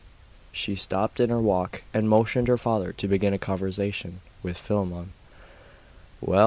She stopped in her walk, and motioned her father to begin a conversation with Philammon. 'Well!